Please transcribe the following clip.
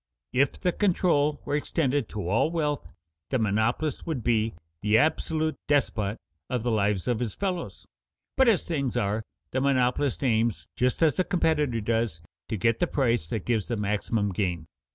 If the control were extended to all wealth, the monopolist would be the absolute despot of the lives of his fellows. But as things are, the monopolist aims, just as the competitor does, to get the price that gives the maximum gain.